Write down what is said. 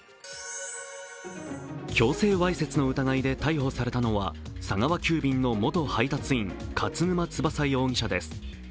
強制わいせつの疑いで逮捕されたのは佐川急便の元配達員、勝沼翼容疑者です。